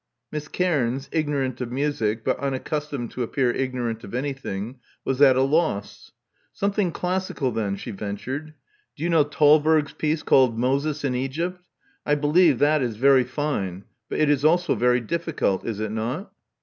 Miss Cairns, ignorant of music, but unaccustomed to appear ignorant of an)rthing, was at a loss. Some thing classical, then," she ventured. Do you know Thalberg's piece called * Moses in Egypt'? I believe that is very fine; but it is also very difficult, is it not?"